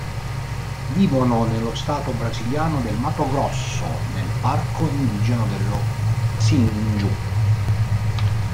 Vivono nello stato brasiliano del Mato Grosso, nel Parco Indigeno dello Xingu.